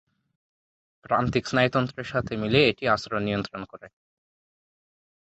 প্রান্তিক স্নায়ুতন্ত্রের সাথে মিলে এটি আচরণ নিয়ন্ত্রণ করে।